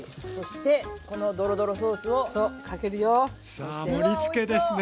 さあ盛りつけですね！